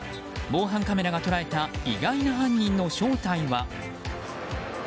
防犯カメラが捉えた意外な犯人の正体は。